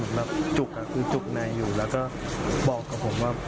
ทางหน้าอยู่ก็คือแบบจุกนะคือจุกในอยู่แล้วก็บอกกับผมว่าไม่ไหว